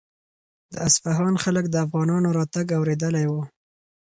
د اصفهان خلک د افغانانو راتګ اورېدلی و.